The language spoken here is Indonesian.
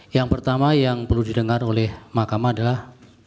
yang pertama yang perlu didengar oleh mahkamah adalah